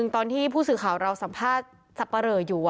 ตอนที่ผู้สื่อข่าวเราสัมภาษณ์สับปะเหลออยู่